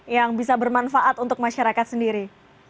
yang bisa bermanfaat untuk masyarakat sendiri